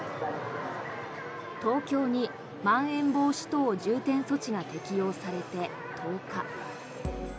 東京にまん延防止等重点措置が適用されて１０日。